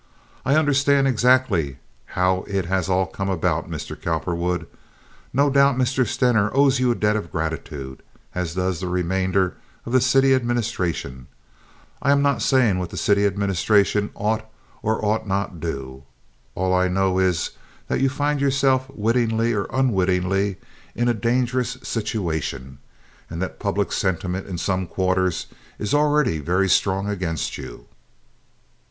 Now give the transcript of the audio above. "I understand exactly how it has all come about, Mr. Cowperwood. No doubt Mr. Stener owes you a debt of gratitude, as does the remainder of the city administration. I'm not saying what the city administration ought or ought not do. All I know is that you find yourself wittingly or unwittingly in a dangerous situation, and that public sentiment in some quarters is already very strong against you.